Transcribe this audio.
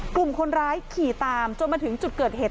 กลุ่มคนร้ายขี่ตามจนมาถึงจุดเกิดเหตุ